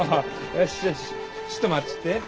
よしよしちっと待っちょって。